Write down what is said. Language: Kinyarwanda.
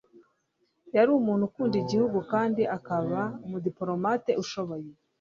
Yari umuntu ukunda igihugu kandi akaba umudipolomate ushoboye.